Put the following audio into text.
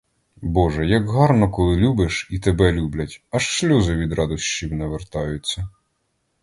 Боже, як гарно, коли любиш і тебе люблять, аж сльози від радощів навертаються!